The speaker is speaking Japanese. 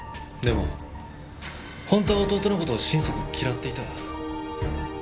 でも本当は弟の事を心底嫌っていた。